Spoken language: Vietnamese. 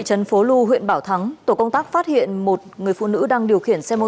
trần phố lu huyện bảo thắng tổ công tác phát hiện một người phụ nữ đang điều khiển xe mô